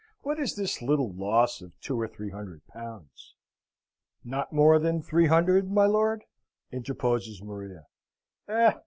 What is this little loss of two or three hundred pounds?" "Not more than three hundred, my lord?" interposes Maria. "Eh!